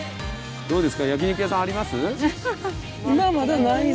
どうですか？